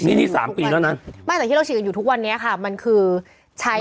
นี่นี่๓ปีแล้วนะไม่แต่ที่เราฉีดกันอยู่ทุกวันนี้ค่ะมันคือใช้